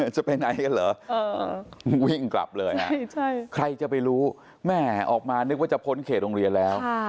จะไปไหนกันเหรอวิ่งกลับเลยใครจะไปรู้แม่ออกมานึกว่าจะพ้นเขตโรงเรียนแล้ว